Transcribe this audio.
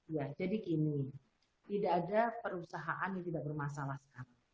ya jadi kini tidak ada perusahaan yang tidak bermasalah sekarang